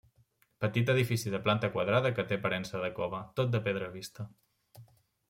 Petit edifici de planta quadrada que té aparença de cova, tot de pedra vista.